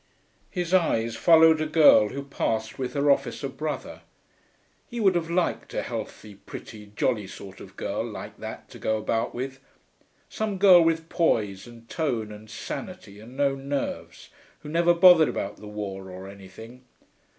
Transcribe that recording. His eyes followed a girl who passed with her officer brother. He would have liked a healthy, pretty, jolly sort of girl like that to go about with ... some girl with poise, and tone, and sanity, and no nerves, who never bothered about the war or anything.